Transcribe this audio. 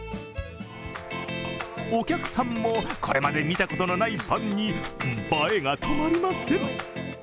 お客さんもこれまで見たことのないパンに映えが止まりません。